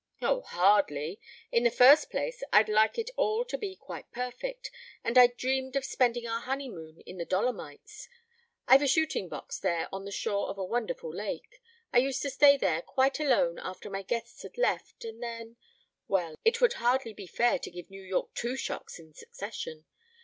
"Oh, hardly. In the first place I'd like it all to be quite perfect, and I'd dreamed of spending our honeymoon in the Dolomites. I've a shooting box there on the shore of a wonderful lake. I used to stay there quite alone after my guests had left. ... And then well, it would hardly be fair to give New York two shocks in succession.